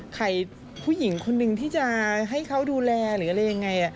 ใครผู้หญิงคนนึงที่จะให้เขาดูแลหรืออะไรยังไง